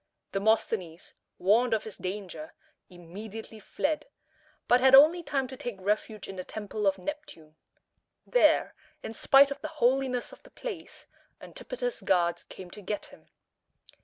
Demosthenes, warned of his danger, immediately fled, but had only time to take refuge in the Temple of Neptune. There, in spite of the holiness of the place, Antipater's guards came to get him.